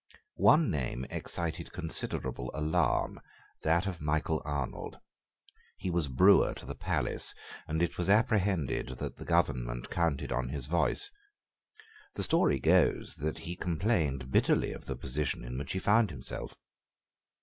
One name excited considerable alarm, that of Michael Arnold. He was brewer to the palace; and it was apprehended that the government counted on his voice. The story goes that he complained bitterly of the position in which he found himself.